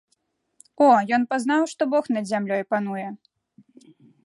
О, ён пазнаў, што бог над зямлёй пануе!